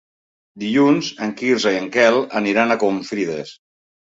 Dilluns en Quirze i en Quel aniran a Confrides.